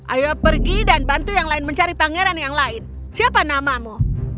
ayo pergi dan bantu yang lain mencari pangeran yang lain siapa namamu